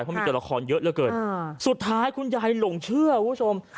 เพราะมีตัวละครเยอะเหลือเกินสุดท้ายคุณยายหลงเชื่อคุณผู้ชม